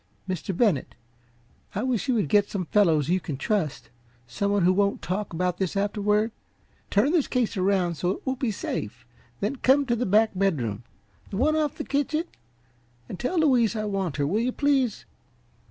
Mr. Bennett, I wish you would get some fellow you can trust some one who won't talk about this afterward turn this case around so that it will be safe, and then come to the back bedroom the one off the kitchen. And tell Louise I want her, will you, please?"